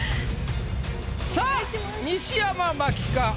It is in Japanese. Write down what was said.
さあ西山茉希か？